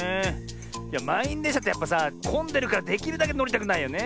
いやまんいんでんしゃってやっぱさこんでるからできるだけのりたくないよね。